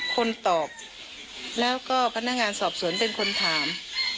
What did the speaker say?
คนตอบแล้วก็พนักงานสอบสวนเป็นคนถาม